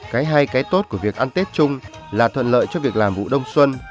cái hai cái tốt của việc ăn tết chung là thuận lợi cho việc làm vụ đông xuân